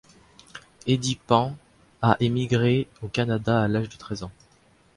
Eddie Peng a émigré au Canada à l'âge de treize ans.